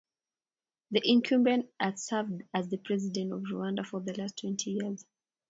The incumbent has served as the president of Rwanda for the last twenty years.